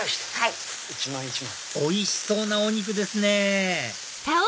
おいしそうなお肉ですね！